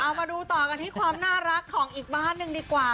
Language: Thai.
เอามาดูต่อกันที่ความน่ารักของอีกบ้านหนึ่งดีกว่า